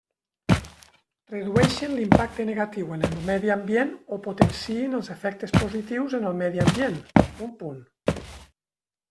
Redueixin l'impacte negatiu en el medi ambient o potenciïn els efectes positius en el medi ambient: un punt.